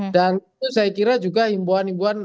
dan itu saya kira juga himbuan himbuan